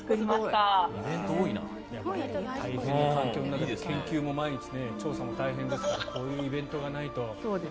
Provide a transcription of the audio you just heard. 大変な環境の中で研究や調査も毎日大変ですからこういうイベントがないと。